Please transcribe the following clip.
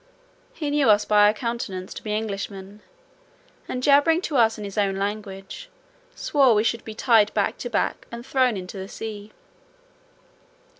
He knew us by our countenances to be Englishmen, and jabbering to us in his own language, swore we should be tied back to back and thrown into the sea.